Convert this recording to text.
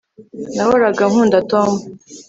nahoraga nkunda, tom